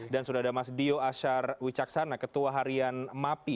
dan mas dio asyar wicaksana ketua harian mapi